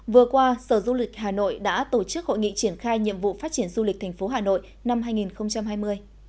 vừa qua sở du lịch hà nội đã tổ chức hội nghị triển khai nhiệm vụ phát triển du lịch tp hà nội năm hai nghìn hai mươi